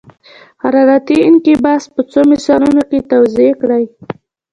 حرارتي انقباض په څو مثالونو کې توضیح کړئ.